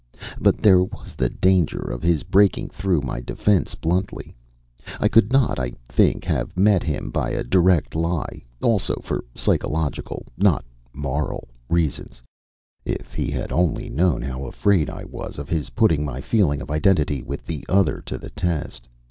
But there was the danger of his breaking through my defense bluntly. I could not, I think, have met him by a direct lie, also for psychological (not moral) reasons. If he had only known how afraid I was of his putting my feeling of identity with the other to the test!